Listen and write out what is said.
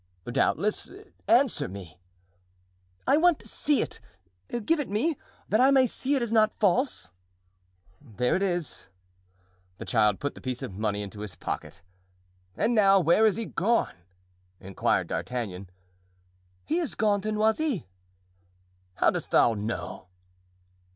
"Doubtless, answer me." "I want to see it. Give it me, that I may see it is not false." "There it is." The child put the piece of money into his pocket. "And now, where is he gone?" inquired D'Artagnan. "He is gone to Noisy." "How dost thou know?"